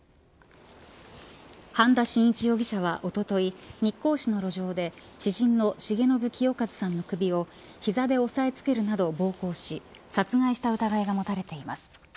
半田信一容疑者はおととい日光市の路上で、知人の重信清和さんの首を膝で押さえ付けるなど暴行し殺害した疑いが持たれています。